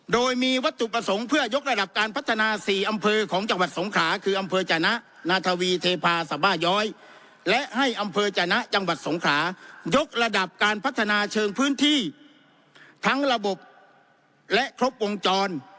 โดยมีวัตถุประสงค์เพื่อยกระดับการพัฒนา๔อำเภอของจังหวัดสงขาคืออำเภอจนะนาธวีเทพาสบาย้อยและให้อำเภอจนะจังหวัดสงขายกระดับการพัฒนาเชิงพื้นที่ทั้งระบบและครบวงจร